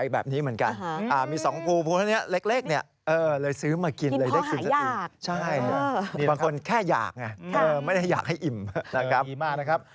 ดีมากนะครับ